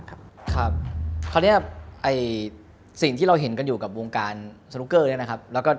ครับคราวนี้สิ่งที่เราเห็นกันอยู่กับวงการสโนกเกอร์